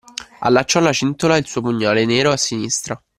Allacciò alla cintola il suo pugnale nero a sinistra.